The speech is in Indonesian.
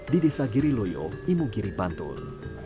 di desa giriloyo imugiri bantul